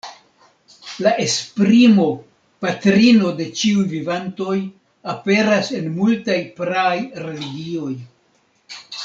La esprimo "patrino de ĉiuj vivantoj" aperas en multaj praaj religioj.